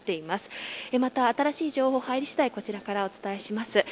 また、新しい情報が入り次第こちらからお伝えします。